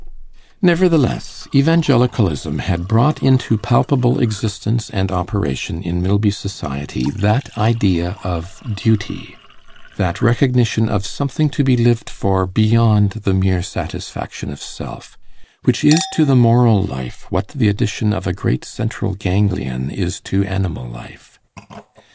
Nevertheless, Evangelicalism had brought into palpable existence and operation in Milby society that idea of duty, that recognition of something to be lived for beyond the mere satisfaction of self, which is to the moral life what the addition of a great central ganglion is to animal life.